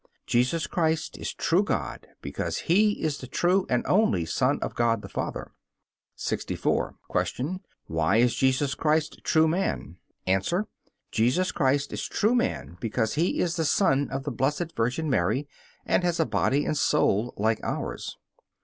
Jesus Christ is true God because He is the true and only Son of God the Father. 64. Q. Why is Jesus Christ true man? A. Jesus Christ is true man because He is the Son of the Blessed Virgin Mary and has a body and soul like ours.